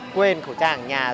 quên khẩu trang ở nhà rồi